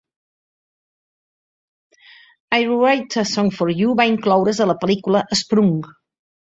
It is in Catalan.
"I'll Write a Song for You" va incloure's a la pel·lícula "Sprung".